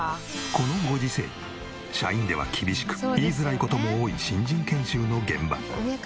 このご時世社員では厳しく言いづらい事も多い新人研修の現場。